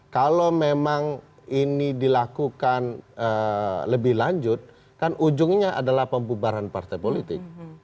kalau memang ini dilakukan lebih lanjut kan ujungnya adalah pembubaran partai politik